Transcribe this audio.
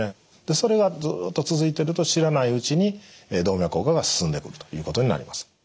それがずっと続いていると知らないうちに動脈硬化が進んでくるということになります。